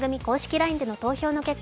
ＬＩＮＥでの投票の結果